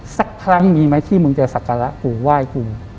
สักครั้งมีไหมที่มึงจะศักรรณ์แล้วกูไหว้กู